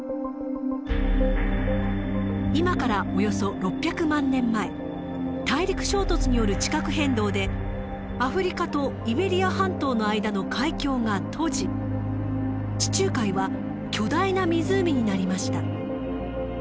今からおよそ６００万年前大陸衝突による地殻変動でアフリカとイベリア半島の間の海峡が閉じ地中海は巨大な湖になりました。